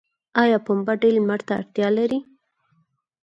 آیا پنبه ډیر لمر ته اړتیا لري؟